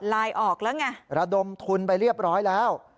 ลายออกแล้วไงระดมทุนไปเรียบร้อยแล้ว